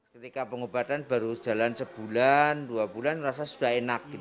ketika pengobatan baru jalan sebulan dua bulan rasa sudah enak